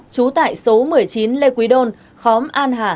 trú tại số một mươi chín lê quý đôn khóm an hà